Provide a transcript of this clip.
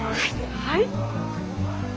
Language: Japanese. はい。